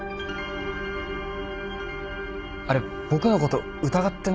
あれ僕のこと疑ってます？